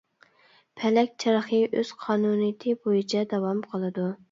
پەلەك چەرخى ئۆز قانۇنىيىتى بويىچە داۋام قىلىدۇ.